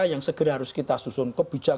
yang segera harus kita susun kebijakan